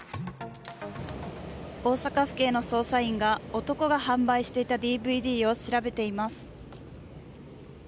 大阪府警の捜査員が男が販売していたＤＶＤを調べています。